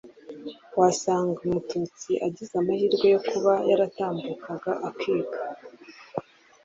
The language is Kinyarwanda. wasangaga umututsi agize amahirwe yo kuba yatambuka akiga